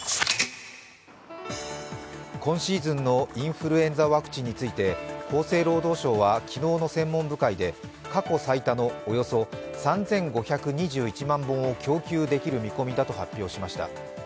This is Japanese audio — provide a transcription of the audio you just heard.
今シーズンのインフルエンザワクチンについて厚生労働省は昨日の専門部会で過去最多のおよそ３５２１万本を供給できる見込みだと発表しました。